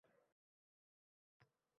— Akalar, bu ishga pul olsak – kulgu!